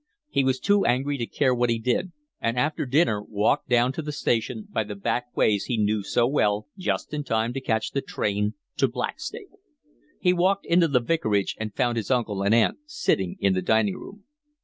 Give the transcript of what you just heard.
He was too angry to care what he did, and after dinner walked down to the station, by the back ways he knew so well, just in time to catch the train to Blackstable. He walked into the vicarage and found his uncle and aunt sitting in the dining room.